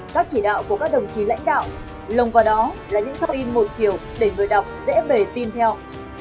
các chỉ đạo của các đồng chí lãnh đạo lồng vào đó là những thông tin một chiều để người đọc dễ bề tin theo